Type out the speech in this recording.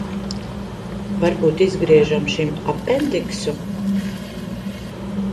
Varbūt izgriežam šim apendiksu?